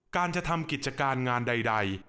การจะทำกิจการงานใด